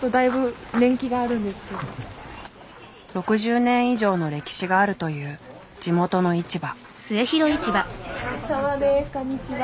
６０年以上の歴史があるという地元の市場。